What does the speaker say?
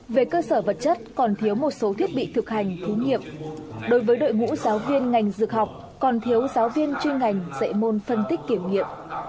về cơ sở vật chất còn thiếu một số thiết bị thực hành thí nghiệm đối với đội ngũ giáo viên ngành dược học còn thiếu giáo viên chuyên ngành dạy môn phân tích kiểm nghiệm